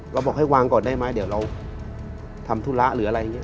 บอกให้วางก่อนได้ไหมเดี๋ยวเราทำธุระหรืออะไรอย่างนี้